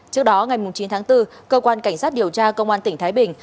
trước đó ngày chín tháng bốn cơ quan cảnh sát điều tra công an tỉnh thái bình